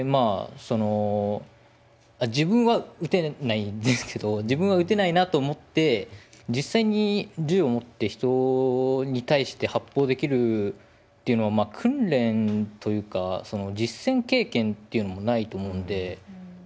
その自分は撃てないんですけど自分は撃てないなと思って実際に銃を持って人に対して発砲できるっていうのはまあ訓練というか実戦経験っていうのもないと思うんで。